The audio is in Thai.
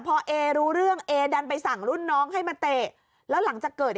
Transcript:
พอเอรู้เรื่องเอดันไปสั่งรุ่นน้องให้มาเตะแล้วหลังจากเกิด